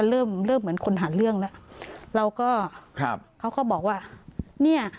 เริ่มเริ่มเหมือนคนหาเรื่องแล้วเราก็ครับเขาก็บอกว่าเนี่ย